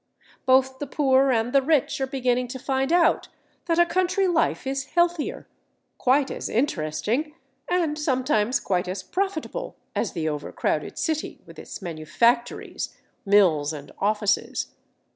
Both the poor and the rich are beginning to find out that a country life is healthier, quite as interesting, and sometimes quite as profitable as the overcrowded city with its manufactories, mills, and offices.